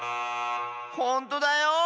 ほんとだよ！